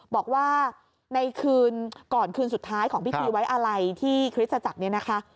บอกว่าในคืนก่อนคืนสุดท้ายของพิธีไว้อะไรที่คริสตจักรเนี่ยนะคะ